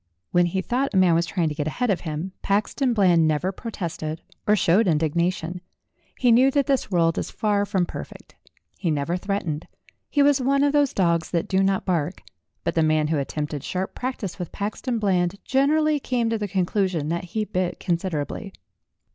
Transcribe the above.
When he thought a man was trying to get ahead of him, Paxton Bland never protested or showed indignation ; he knew that this world is far from per fect. He never threatened. He was one of those dogs that do not bark, but the man who attempted sharp practice with Paxton Bland generally came to the conclusion that he bit considerably.